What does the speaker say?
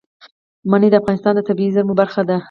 منی د افغانستان د طبیعي زیرمو برخه ده.